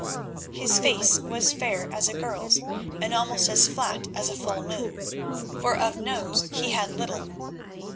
His face was fair as a girl's, and almost as flat as a full moon, for of nose he had little.